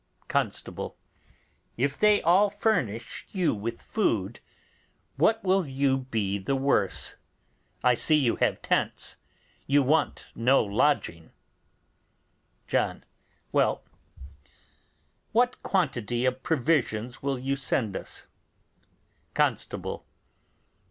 Constable. If they all furnish you with food, what will you be the worse? I see you have tents; you want no lodging. John. Well, what quantity of provisions will you send us? Constable.